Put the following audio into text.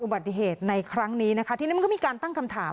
อุบัติเหตุในครั้งนี้นะคะทีนี้มันก็มีการตั้งคำถาม